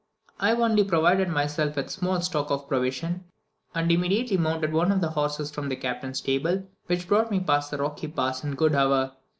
I only provided myself with a small stock of provisions, and immediately mounted one of the horses from the captain's stable, which brought me past the rocky pass in a good hour.